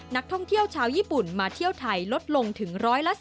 นักท่องเที่ยวชาวญี่ปุ่นมาเที่ยวไทยลดลงถึง๑๑๐